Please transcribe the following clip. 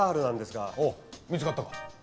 おお見つかったか？